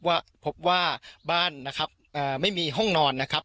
ว่าพบว่าบ้านนะครับไม่มีห้องนอนนะครับ